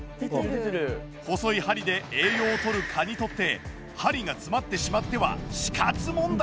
細い針で栄養をとる蚊にとって針が詰まってしまっては死活問題。